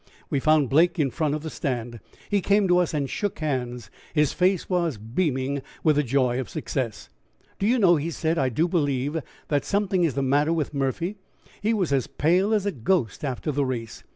We found Blake in front of the stand. He came to us and shook hands. His face was beaming with the joy of success. "Do you know," he said, "I do believe that something is the matter with Murphy. He was as pale as a ghost after the race.